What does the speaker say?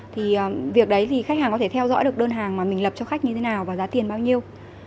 thì việc đấy thì khách hàng có thể theo dõi được đơn hàng mà mình lập cho khách như thế nào và giá tiền bao nhiêu